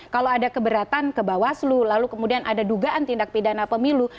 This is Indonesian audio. kalau ada keberatan ke bawaslu lalu kemudian ada dugaan tindak pidana pemilu